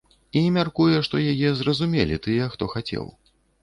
І мяркуе, што яе зразумелі тыя, хто хацеў.